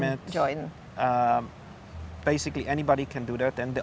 sebenarnya siapa saja yang bisa melakukan itu